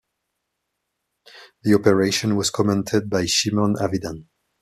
The operation was commanded by Shimon Avidan.